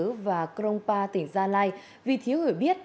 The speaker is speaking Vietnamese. trước bớ và cronpa tỉnh gia lai vì thiếu hỏi biết